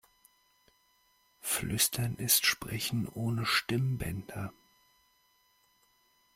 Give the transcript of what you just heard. Flüstern ist Sprechen ohne Stimmbänder.